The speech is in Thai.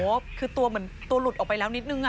ตัวเหลือเหมือนตัวหลุดออกไปแล้วนิดนึง